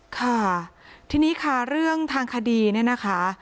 ค่ะทีนี้ค่ะเรื่องทางคดีเนี่ยนะคะ